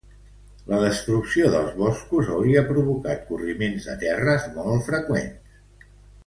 La destrucció dels boscos hauria provocat corriments de terres molt freqüents.